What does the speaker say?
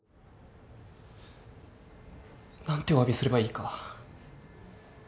何ておわびすればいいか。